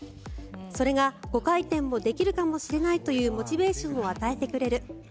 それが５回転もできるかもしれないというモチベーションを与えてくれる。